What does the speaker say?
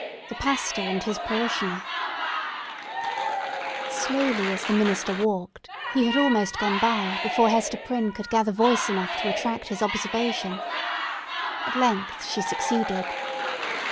THE PASTOR AND HIS PARISHIONER Slowly as the minister walked, he had almost gone by before Hester Prynne could gather voice enough to attract his observation. At length she succeeded.